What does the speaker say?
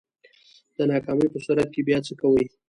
د ناکامۍ په صورت کی بیا څه کوئ؟